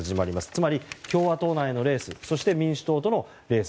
つまり、共和党内のレースそして民主党とのレース